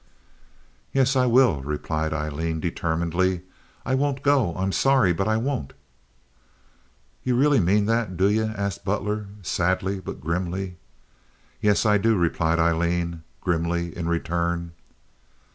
"Yes, I will," replied Aileen, determinedly. "I won't go! I'm sorry, but I won't!" "Ye really mane that, do ye?" asked Butler, sadly but grimly. "Yes, I do," replied Aileen, grimly, in return.